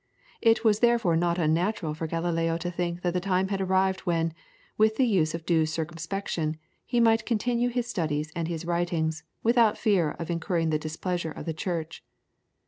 It was therefore not unnatural for Galileo to think that the time had arrived when, with the use of due circumspection, he might continue his studies and his writings, without fear of incurring the displeasure of the Church.